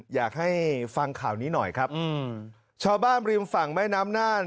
อยากให้ฟังข่าวนี้หน่อยครับอืมชาวบ้านริมฝั่งแม่น้ำน่าน